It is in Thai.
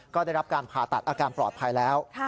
ก็ได้รับการผ่าตัดอาการปลอดภัยแล้ว